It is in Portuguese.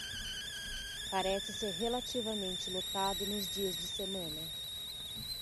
Parece ser relativamente lotado nos dias de semana.